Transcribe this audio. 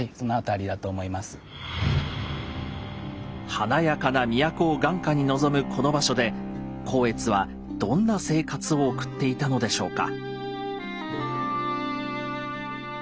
華やかな都を眼下に望むこの場所で光悦はどんな生活を送っていたのでしょうか。